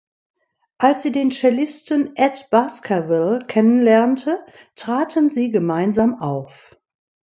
Als sie den Cellisten Ed Baskerville kennenlernte, traten sie gemeinsam auf.